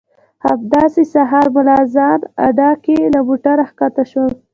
همدغسې سهار ملا اذان اډه کې له موټره ښکته شوم.